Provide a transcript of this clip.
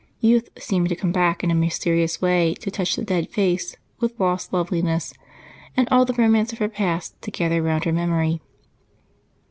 Youth seemed to come back in a mysterious way to touch the dead face with lost loveliness, and all the romance of her past to gather around her memory.